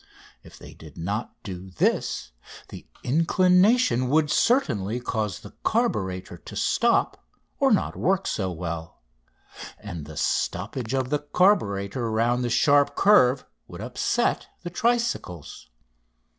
If they did not do this the inclination would certainly cause the carburator to stop or not to work so well, and the stoppage of the carburator round the sharp curve would upset the tricycles.